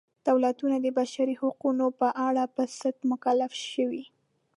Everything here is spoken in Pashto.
دولتونه د بشري حقونو په اړه په څه مکلف شوي.